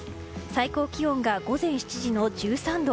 最高気温が午前７時の１３度。